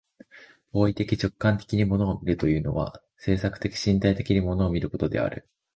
行為的直観的に物を見るということは、制作的身体的に物を見ることである。